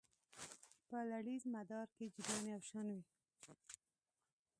په لړیز مدار کې جریان یو شان وي.